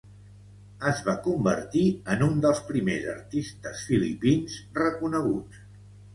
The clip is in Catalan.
Es va convertir en un dels primers artistes filipins reconeguts.